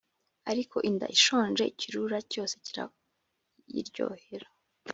ariko inda ishonje ikirura cyose kirayiryohera